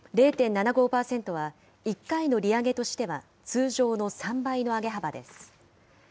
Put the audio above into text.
０．７５％は、１回の利上げとしては通常の３倍の上げ幅です。